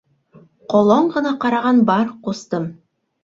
Ҡолон ғына ҡараған бар, ҡустым...